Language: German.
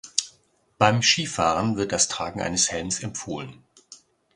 Beim Skifahren wird das Tragen eines Helms empfohlen.